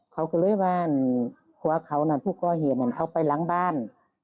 เขาก็เลยว่านหัวเขาน่ะผู้ก่อเหตุนั้นเขาไปล้างบ้าน